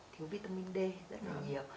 thiếu vitamin d rất là nhiều